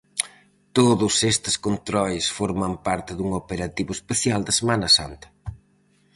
Todos estes controis forman parte dun operativo especial de Semana Santa.